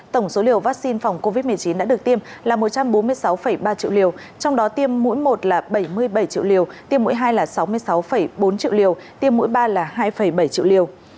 tổng số liều vaccine phòng covid một mươi chín đã được tiêm là một trăm bốn mươi sáu ba triệu liều trong đó tiêm mũi một là bảy mươi bảy triệu liều tiêm mỗi hai là sáu mươi sáu bốn triệu liều tiêm mỗi ba là hai bảy triệu liều